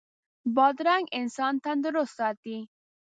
بادرنګ انسان تندرست ساتي.